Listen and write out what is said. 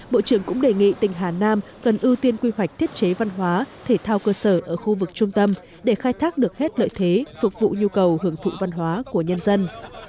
bộ trưởng cũng đề nghị tỉnh hà nam cần ưu tiên quy hoạch thiết chế văn hóa thể thao cơ sở ở khu vực trung tâm để khai thác được hết lợi thế phục vụ nhu cầu hưởng thụ văn hóa của nhân dân